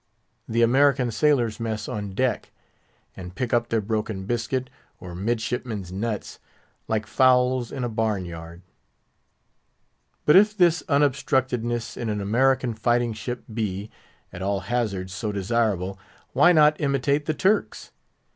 The American sailors mess on deck, and pick up their broken biscuit, or midshipman's nuts, like fowls in a barn yard. But if this unobstructedness in an American fighting ship be, at all hazards, so desirable, why not imitate the Turks?